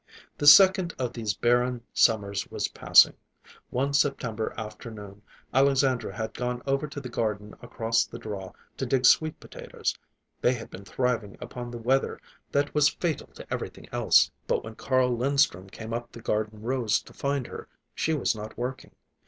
The second of these barren summers was passing. One September afternoon Alexandra had gone over to the garden across the draw to dig sweet potatoes—they had been thriving upon the weather that was fatal to everything else. But when Carl Linstrum came up the garden rows to find her, she was not working.